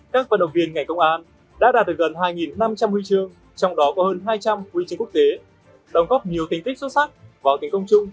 tại sea games ba mươi hai đạt một mươi hai huy chương trong đó có bốn huy chương vàng bốn huy chương bạc bốn huy chương đồng